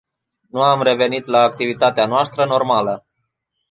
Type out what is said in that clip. Nu am revenit la activitatea noastră normală.